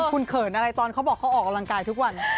ผู้ชมเขินอะไรตอนเขาบอกเขาออกรังกายไทยทุกวัน